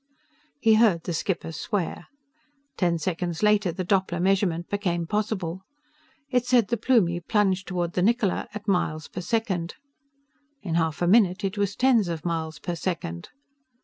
He heard the skipper swear. Ten seconds later the Doppler measurement became possible. It said the Plumie plunged toward the Niccola at miles per second. In half a minute it was tens of miles per second.